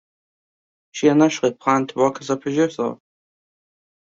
She initially planned to work as a producer.